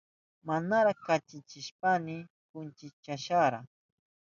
Manara kushnichihushpayni kachinchashara.